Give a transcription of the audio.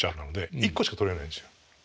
１個しか取れないんですよ。